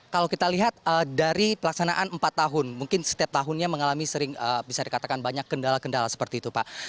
kalau kita lihat dari pelaksanaan empat tahun mungkin setiap tahunnya mengalami sering bisa dikatakan banyak kendala kendala seperti itu pak